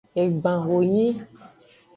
Egban honyi.